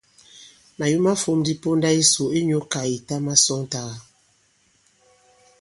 Màyo ma fōm ndi ponda yisò inyū kà ìta masɔŋtàgà.